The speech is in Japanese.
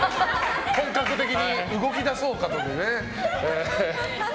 本格的に動き出そうかというね。